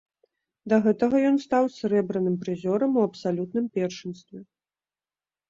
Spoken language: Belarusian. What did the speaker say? Да гэтага ён стаў срэбраным прызёрам у абсалютным першынстве.